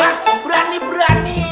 hah berani berani